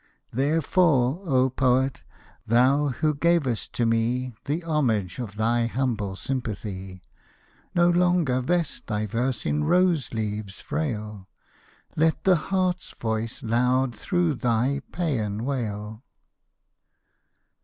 "Therefore, O poet, thou who gav'st to me The homage of thy humble sympathy, "No longer vest thy verse in rose leaves frail: Let the heart's voice loud through thy pæan wail!"